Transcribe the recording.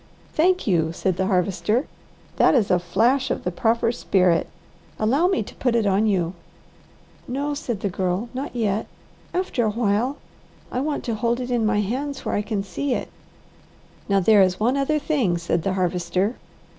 "Thank you!" said the Harvester. "That is a flash of the proper spirit. Allow me to put it on you." "No!" said the Girl. "Not yet! After a while! I want to hold it in my hands, where I can see it!" "Now there is one other thing," said the Harvester.